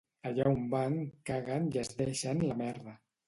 Allà on van caguen i es deixen la merda